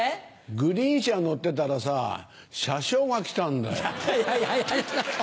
グリーン車乗ってたらさ車掌が来たんだよ。